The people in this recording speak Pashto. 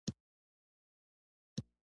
دوی سابقه او تېره کړې موده مهمه ده.